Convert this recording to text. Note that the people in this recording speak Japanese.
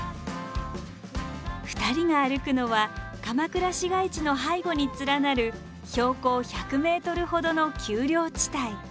２人が歩くのは鎌倉市街地の背後に連なる標高１００ｍほどの丘陵地帯。